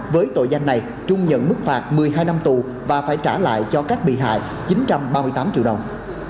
với tội danh này trung nhận mức phạt một mươi hai năm tù và phải trả lại cho các bị hại chín trăm ba mươi tám triệu đồng